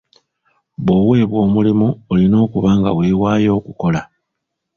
Bw'owebwa omulimu olina okuba nga wewaayo okukola.